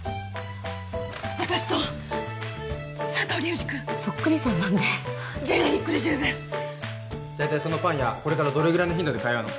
私と佐藤流司くんソックリさんなんでジェネリックで十分大体そのパン屋これからどれぐらいの頻度で通うの？